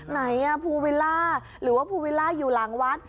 ไหนภูวิลล่าหรือว่าภูวิลล่าอยู่หลังวัด